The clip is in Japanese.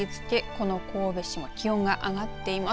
この神戸市も気温が上がっています。